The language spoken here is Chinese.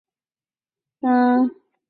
系统命名法恶作剧可以为